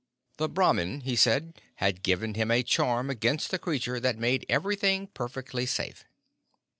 The Brahmin, he said, had given him a charm against the creature that made everything perfectly safe.